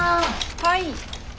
はい！